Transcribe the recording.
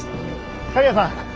刈谷さん。